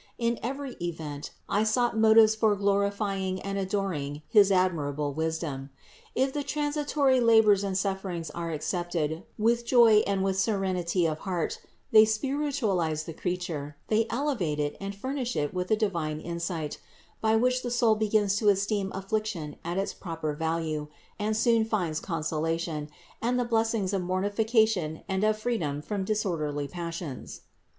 In every event I sought mo tives for glorifying and adoring his admirable wisdom. If the transitory labors and sufferings are accepted with joy and with serenity of heart, they spiritualize the crea ture, they elevate it and furnish it with a divine insight ; by which the soul begins to esteem affliction at its proper value and soon finds consolation and the blessings of mortification and of freedom from disorderly passions.